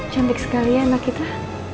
cantik sekali anak kita